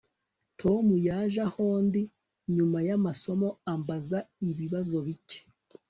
Tom yaje aho ndi nyuma yamasomo ambaza ibibazo bike